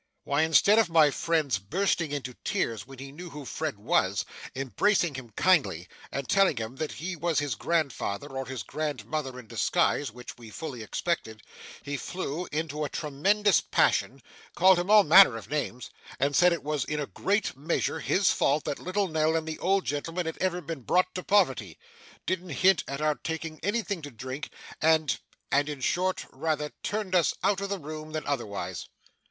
'Why, instead of my friend's bursting into tears when he knew who Fred was, embracing him kindly, and telling him that he was his grandfather, or his grandmother in disguise (which we fully expected), he flew into a tremendous passion; called him all manner of names; said it was in a great measure his fault that little Nell and the old gentleman had ever been brought to poverty; didn't hint at our taking anything to drink; and and in short rather turned us out of the room than otherwise.